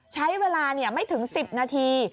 ใช้เวลาไม่ถึง๑๐นาที